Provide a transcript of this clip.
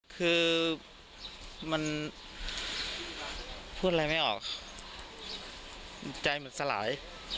คือมันพูดอะไรไม่ออกใจเหมือนสลาย